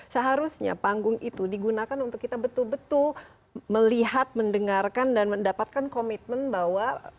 seharusnya panggung itu digunakan untuk kita betul betul melihat mendengarkan dan mendapatkan komitmen bahwa